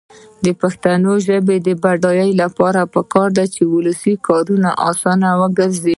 د پښتو ژبې د بډاینې لپاره پکار ده چې ولسي کارونه اساس وګرځي.